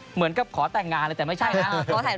เหมือนกับขอแต่งงานเลยแต่ไม่ใช่นะ